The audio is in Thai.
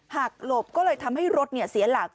หลบก็เลยทำให้รถเสียหลัก